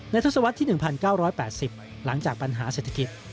ทศวรรษที่๑๙๘๐หลังจากปัญหาเศรษฐกิจ